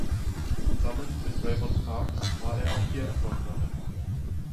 Zusammen mit Raymond Parks war er auch hier erfolgreich.